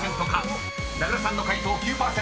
［名倉さんの解答９％。